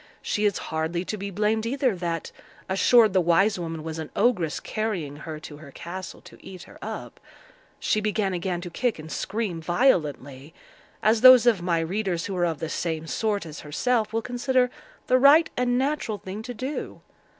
She is hardly to be blamed either that, assured the wise woman was an ogress carrying her to her castle to eat her up, she began again to kick and scream violently, as those of my readers who are of the same sort as herself will consider the right and natural thing to do.